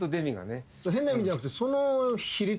変な意味じゃなくてその比率。